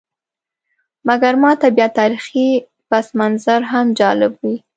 مګر ماته بیا تاریخي پسمنظر هم جالب وي.